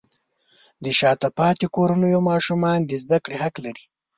د شاته پاتې کورنیو ماشومان د زده کړې حق لري.